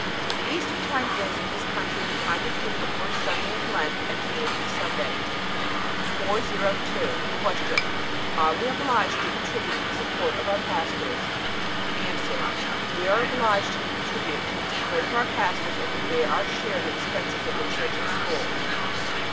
The Easter time is, in this country, the time between the first Sunday of Lent and Trinity Sunday. 402. Q. Are we obliged to contribute to the support of our pastors? A. We are obliged to contribute to the support of our pastors, and to bear our share in the expenses of the church and school.